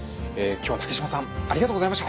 今日は竹島さんありがとうございました。